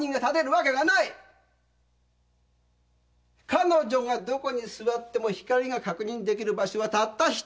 彼女がどこに座っても光が確認できる場所はたった一つ。